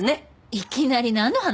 いきなりなんの話？